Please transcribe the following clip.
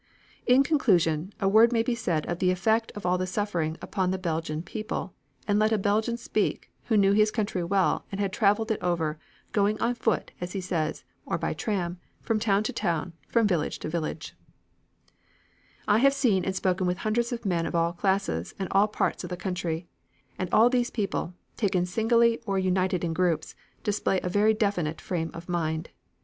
In conclusion a word may be said of the effect of all this suffering upon the Belgian people, and let a Belgian speak, who knew his country well and had traveled it over, going on foot, as he says, or by tram, from town to town, from village to village: "I have seen and spoken with hundreds of men of all classes and all parts of the country, and all these people, taken singly or united in groups, display a very definite frame of mind.